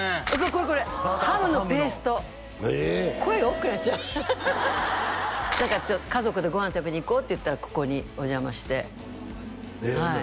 これこれハムのペーストへえ声が大きくなっちゃう家族でご飯食べに行こうっていったらここにお邪魔してはい